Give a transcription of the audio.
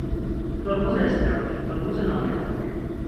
ترمز اضطراری، ترمز ناگهانه